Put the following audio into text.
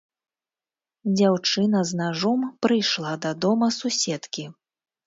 Дзяўчына з нажом прыйшла да дома суседкі.